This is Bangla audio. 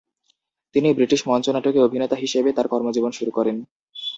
তিনি ব্রিটিশ মঞ্চনাটকে অভিনেতা হিসেবে তার কর্মজীবন শুরু করেন।